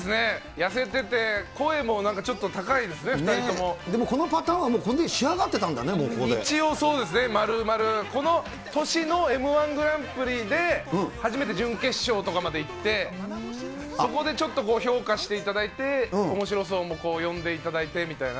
痩せてて、声もなんかちょっと高いですね、２人とも。でもこのパターンはこんとき、一応そうですね、この年のＭー１グランプリで初めて準決勝とかまでいって、そこでちょっと評価していただいて、おもしろ荘も呼んでいただいてみたいな。